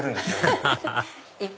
アハハハ